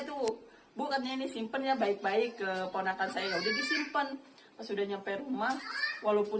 tuh bu katanya ini simpen ya baik baik ke ponakan saya udah disimpan sudah nyampe rumah walaupun